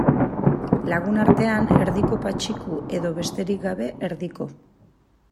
Lagunartean, Erdiko Patxiku edo, besterik gabe, Erdiko.